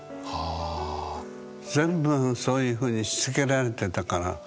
全部そういうふうにしつけられてたから。